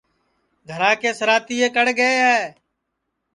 گھرا کے سِراتئے کڑ گئے ہے